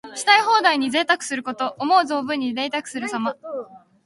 したい放題に贅沢すること。思う存分にぜいたくするさま。